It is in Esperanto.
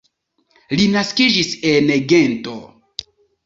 Li naskiĝis en Gento.